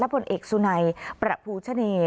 และพลตำรวจเอกสุนัยประภูชเนย